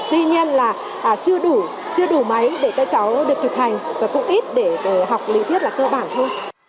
tuy nhiên là chưa đủ máy để các cháu được thực hành và cũng ít để học lý thiết là cơ bản thôi